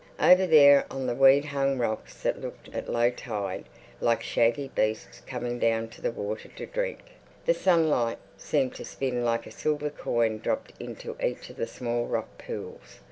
Over there on the weed hung rocks that looked at low tide like shaggy beasts come down to the water to drink, the sunlight seemed to spin like a silver coin dropped into each of the small rock pools.